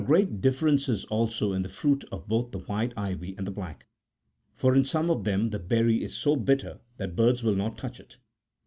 There are great differences also in the fruit of both the white ivy and the black ; for in some of them the berry is so bitter that birds will not touch it.